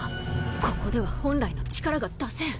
ここでは本来の力が出せん。